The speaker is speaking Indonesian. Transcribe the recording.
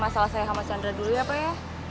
masalah saya sama chandra dulu ya pak ya